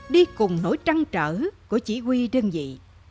đi cùng nỗi trăng trở của chỉ huy đơn vị